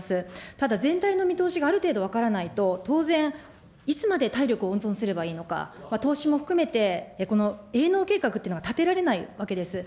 ただ、全体の見通しがある程度分からないと、当然、いつまで体力を温存すればいいのか、投資も含めて、この営農計画っていうのは立てられないわけです。